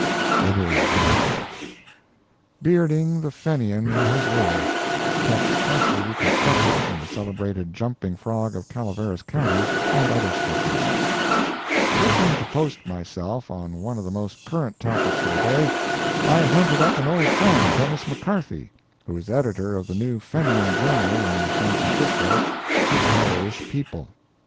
It is rough. BEARDING THE FENIAN IN HIS LAIR [Text partially reconstructed from The Celebrated Jumping Frog of Calaveras County and Other Sketches] Wishing to post myself on one of the most current topics of the day, I hunted up an old friend, Dennis McCarthy, who is editor of the new Fenian journal in San Francisco, The Irish People.